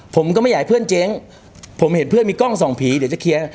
ผมก็ไม่อยากให้เพื่อนเจ๊งผมเห็นเพื่อนมีกล้องส่องผีเดี๋ยวจะเคลียร์